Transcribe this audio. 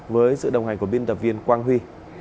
với sự đồng hành của biên tập viên quang huy